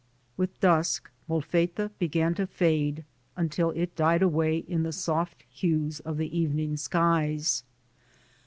With dusk Molfetta began to fade until it died away in the soft hues of the evening skies.